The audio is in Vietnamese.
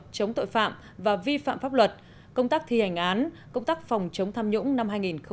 chống tội phạm và vi phạm pháp luật công tác thi hành án công tác phòng chống tham nhũng năm hai nghìn một mươi chín